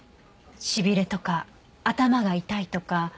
しびれとか頭が痛いとか。